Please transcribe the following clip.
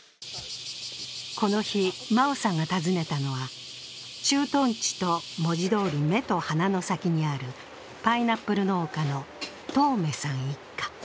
この日、真生さんが訪ねたのは、駐屯地と文字どおり目と鼻の先にあるパイナップル農家の当銘さん一家。